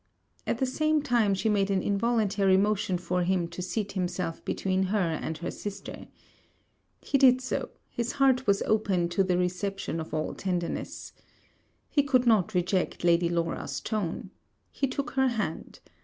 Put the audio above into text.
At the same time, she made an involuntary motion for him to seat himself between her and her sister. He did so, his heart was open to the reception of all tenderness. He could not reject Lady Laura's tone. He took her hand.